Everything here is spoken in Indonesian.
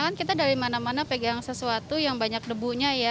kan kita dari mana mana pegang sesuatu yang banyak debunya ya